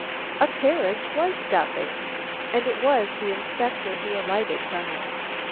A carriage was stopping, and it was the Inspector who alighted from it.